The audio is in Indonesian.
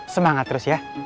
semangat terus ya